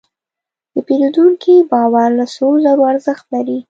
د پیرودونکي باور له سرو زرو ارزښت لري.